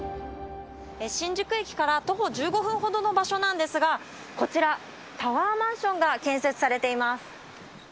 新宿駅から徒歩１５分ほどの場所なんですが、タワーマンションが建設されています。